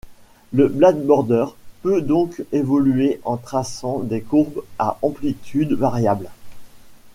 Le bladeboarder peut donc évoluer en traçant des courbes à amplitudes variables.